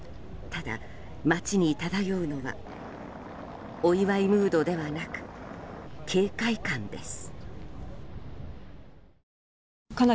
ただ、街に漂うのはお祝いムードではなく警戒感です。